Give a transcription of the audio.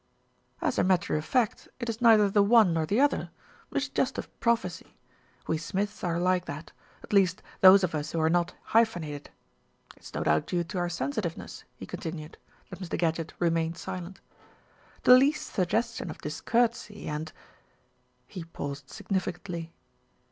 "As a matter of fact, it is neither the one nor the other. It is just a prophecy. We Smiths are like that, at least those of us who are not hyphenated. It's no doubt due to our sensitiveness," he continued, as Mr. Gadgett remained silent. "The least suggestion of discourtesy and " He paused significantly.